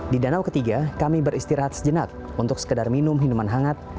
di danau ketiga kami beristirahat sejenak untuk sekedar minum minuman hangat